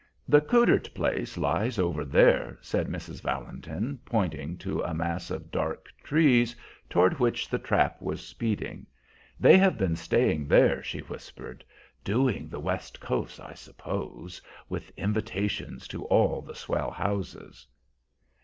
"The Coudert place lies over there," said Mrs. Valentin, pointing to a mass of dark trees toward which the trap was speeding. "They have been staying there," she whispered, "doing the west coast, I suppose, with invitations to all the swell houses."